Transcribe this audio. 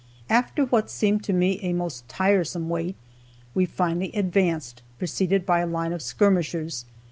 After what seemed to me a most tiresome wait, we finally advanced, preceded by a line of skirmishers.